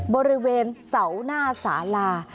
บริเวณเสาหน้าสาลา